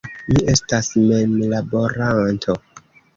Mi estas memlaboranto.